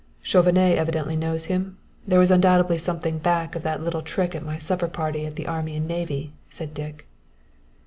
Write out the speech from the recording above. "Chauvenet evidently knows him; there was undoubtedly something back of that little trick at my supper party at the Army and Navy," said Dick.